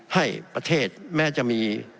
ให้ประเทศแม้จะมี